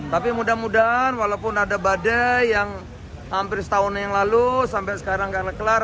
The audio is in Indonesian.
tapi mudah mudahan walaupun ada badai yang hampir setahun yang lalu sampai sekarang nggak kelar